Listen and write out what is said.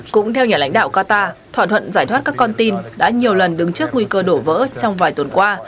cũng theo nhà lãnh đạo qatar thỏa thuận giải thoát các con tin đã nhiều lần đứng trước nguy cơ đổ vỡ trong vài tuần qua